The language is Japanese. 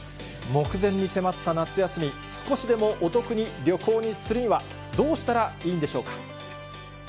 目前に迫った夏休み、少しでもお得に旅行するには、どうしたらいいんでしょうか。